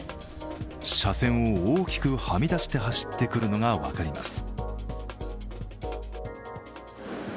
車線を大きくはみ出して走ってくるのが分かります。